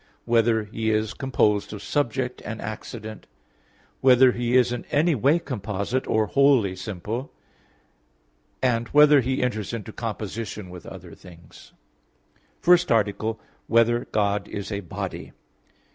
(6) Whether He is composed of subject and accident? (7) Whether He is in any way composite, or wholly simple? (8) Whether He enters into composition with other things? _______________________ FIRST ARTICLE [I, Q. 3, Art. 1] Whether God Is a Body?